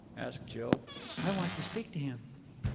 asked Jill. "I want to speak to him."